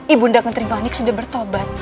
ibunda kenteri manik sudah bertobat